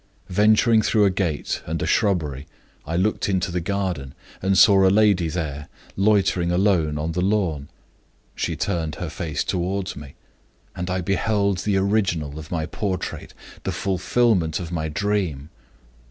Venturing through a gate and a shrubbery, I looked into the garden, and saw a lady there, loitering alone on the lawn. She turned her face toward me and I beheld the original of my portrait, the fulfillment of my dream!